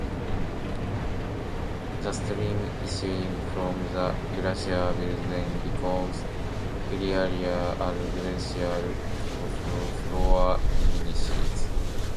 The stream issuing from the glacier will then become clearer as glacial flour diminishes.